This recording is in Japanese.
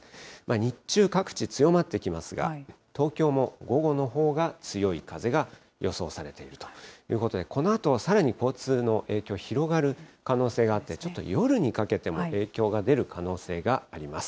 日中、各地強まってきますが、東京も午後のほうが強い風が予想されているということで、このあと、さらに交通の影響、広がる可能性があって、ちょっと夜にかけても影響が出る可能性があります。